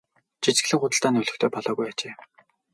Жижиглэн худалдаа нь олигтой болоогүй ажээ.